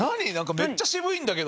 めっちゃシブいんだけど。